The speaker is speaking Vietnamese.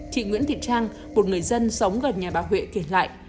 chị nguyễn thị trang một người dân sống gần nhà bà huệ kể lại